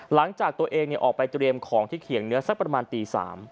หลังจากตัวเองออกไปเตรียมของที่เขียงเนื้อสักประมาณตี๓